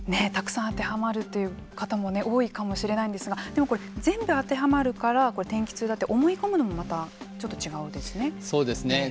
たくさん当てはまるという方も多いかもしれないんですがでも、これ全部、当てはまるから天気痛だと思い込むのもそうですね。